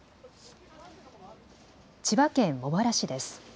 千葉県茂原市です。